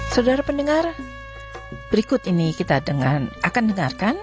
saudara pendengar berikut ini kita akan dengarkan